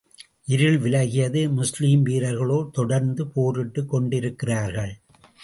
இருள் விலகியது முஸ்லிம் வீரர்களோ தொடர்ந்து போரிட்டுக் கொண்டிருக்கிறார்கள்.